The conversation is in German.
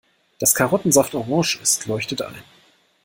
Dass Karottensaft orange ist, leuchtet ein.